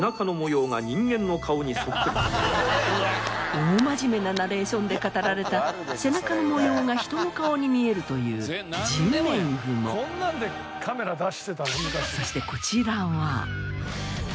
大真面目なナレーションで語られた背中の模様が人の顔に見えるというそしてこちらは。